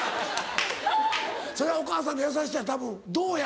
それはお母さんの優しさやたぶんどうや？